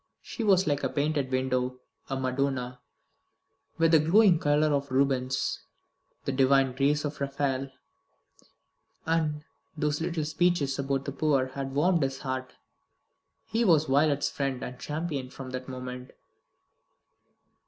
She was like a painted window; a Madonna, with the glowing colour of Rubens, the divine grace of Raffaelle. And those little speeches about the poor had warmed his heart. He was Violet's friend and champion from that moment.